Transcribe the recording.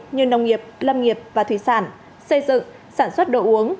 như nông nghiệp lâm nghiệp và thủy sản xây dựng sản xuất đồ uống